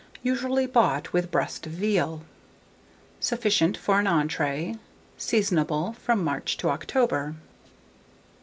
Usually bought with breast of veal. Sufficient for an entrée. Seasonable from March to October.